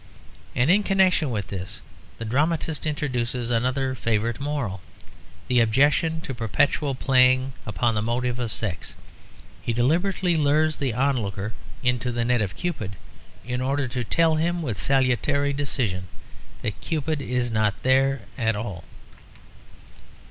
And in connection with this the dramatist introduces another favourite moral; the objection to perpetual playing upon the motive of sex. He deliberately lures the onlooker into the net of Cupid in order to tell him with salutary decision that Cupid is not there at all.